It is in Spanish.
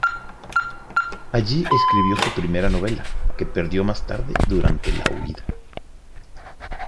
Allí escribió su primera novela, que perdió más tarde durante la huida.